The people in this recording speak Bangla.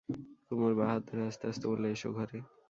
কুমুর বাঁ হাত ধরে আস্তে আস্তে বললে, এসো ঘরে।